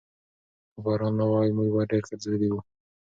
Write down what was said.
که باران نه وای، موږ به ډېر ګرځېدلي وو.